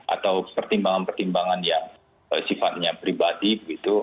atau pertimbangan pertimbangan yang sifatnya pribadi begitu